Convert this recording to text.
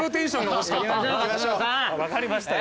分かりましたよ。